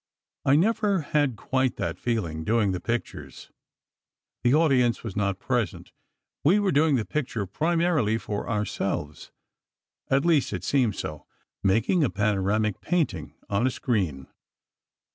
I never had quite that feeling, doing the pictures. The audience was not present; we were doing the picture primarily for ourselves—at least it seemed so—making a panoramic painting, on a screen."